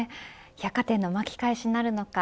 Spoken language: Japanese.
百貨店の巻き返しなるのか。